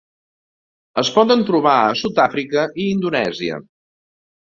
Es poden trobar a Sud-àfrica i Indonèsia.